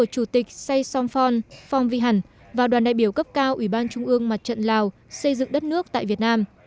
chủ tịch sai song phong phong vi hẳn và đoàn đại biểu cấp cao ủy ban trung mương mặt trận lào xây dựng đất nước tại việt nam